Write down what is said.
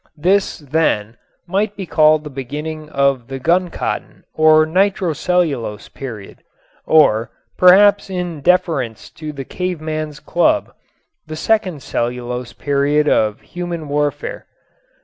This, then, might be called the beginning of the guncotton or nitrocellulose period or, perhaps in deference to the caveman's club, the second cellulose period of human warfare.